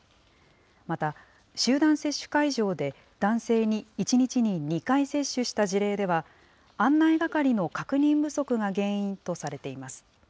また、集団接種会場で男性に１日に２回接種した事例では、案内係の確認不足が原因とされています。